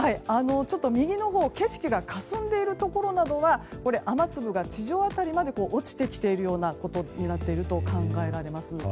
右のほう、景色がかすんでいるところなどは雨粒が地上辺りまで落ちてきているようなことになっていると考えられます。